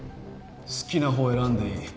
好きな方を選んでいい。